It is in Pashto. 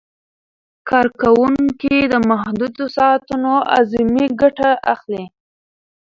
کارکوونکي د محدودو ساعتونو اعظمي ګټه اخلي.